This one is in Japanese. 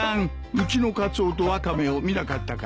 うちのカツオとワカメを見なかったかな？